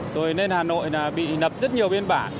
rồi lên hà nội bị nớp rất nhiều biên bản